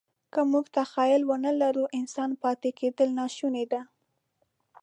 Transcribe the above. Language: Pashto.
که موږ تخیل ونهلرو، انسان پاتې کېدل ناشوني دي.